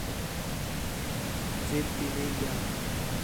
ٹِرپ تی نہیں ڳِیا